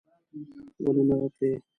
ولې نه راتلې?